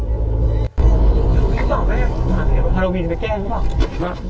พี่บอกแม่ฮาโลวีนไปแกล้งหรือเปล่าฮะ